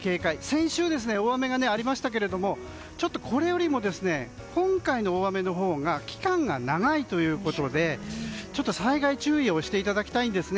先週、大雨がありましたがこれよりも今回の大雨のほうが期間が長いということで災害注意していただきたいんです。